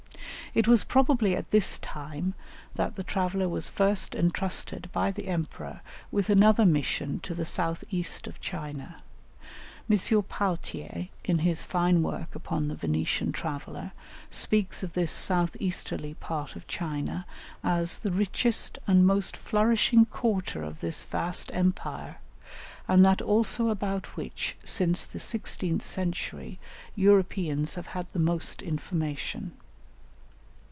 It was probably at this time that the traveller was first entrusted by the emperor with another mission to the south east of China. M. Pauthier, in his fine work upon the Venetian traveller, speaks of this south easterly part of China as "the richest and most flourishing quarter of this vast empire and that also about which, since the 16th century, Europeans have had the most information."